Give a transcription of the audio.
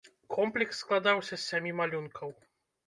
Комплекс складаўся з сямі малюнкаў.